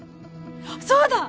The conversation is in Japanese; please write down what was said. そうだ！